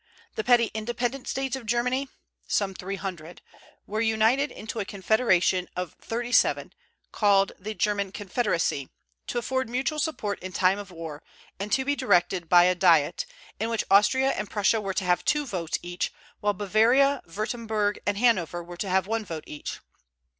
The petty independent States of Germany (some three hundred) were united into a confederation of thirty seven, called the German Confederacy, to afford mutual support in time of war, and to be directed by a Diet, in which Austria and Prussia were to have two votes each, while Bavaria, Würtemberg, and Hanover were to have one vote each.